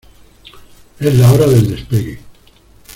Es la hora del despegue.